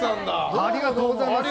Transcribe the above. ありがとうございます。